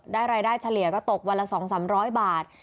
รายได้เฉลี่ยก็ตกวันละ๒๓๐๐บาท